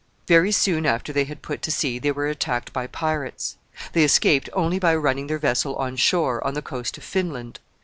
Very soon after they had put to sea they were attacked by pirates. They escaped only by running their vessel on shore on the coast of Finland.